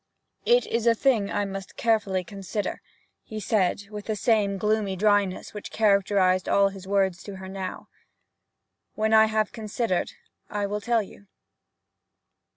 'It is a thing I must carefully consider,' he said, with the same gloomy dryness which characterized all his words to her now. 'When I have considered, I will tell you.'